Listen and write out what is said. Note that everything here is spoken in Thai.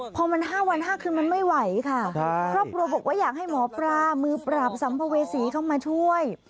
พอมัน๕วัน๕คืนมันไม่ไหวค่ะครอบครัวบอกว่าอยากให้หมอปลามือปราบสัมภเวษีเข้ามาช่วย